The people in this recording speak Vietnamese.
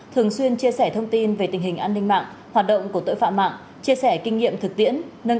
thường xuyên chia sẻ thông tin về tình hình an ninh mạng hoạt động của tội phạm mạng